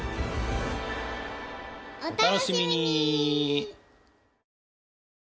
お楽しみに！